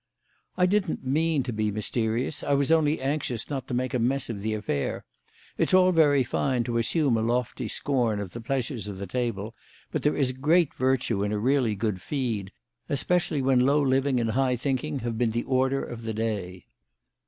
"I didn't mean to be mysterious; I was only anxious not to make a mess of the affair. It's all very fine to assume a lofty scorn of the pleasures of the table, but there is great virtue in a really good feed, especially when low living and high thinking have been the order of the day."